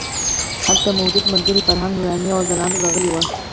هلته موجود ملګري فرهنګ، نوراني او ځلاند ورغلي وو.